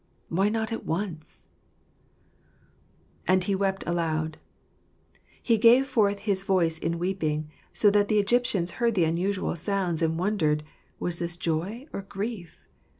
Why not at once ? And he wept aloud. He gave forth his voice in weeping, so that the Egyptians heard the unusual sounds and wondered. Was this joy or grief